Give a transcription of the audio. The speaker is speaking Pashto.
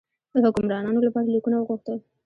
د حکمرانانو لپاره لیکونه وغوښتل.